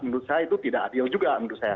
menurut saya itu tidak adil juga